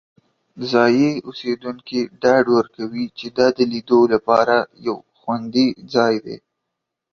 ځایی اوسیدونکي ډاډ ورکوي چې دا د لیدو لپاره یو خوندي ځای دی.